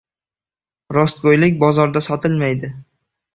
• Rostgo‘ylik bozorda sotilmaydi.